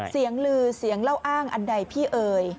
เสียงลือเสียงเล่าอ้างอันใดพี่เอ๋ย